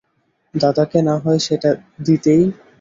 দাদাকে না হয় সেটা দিতেই।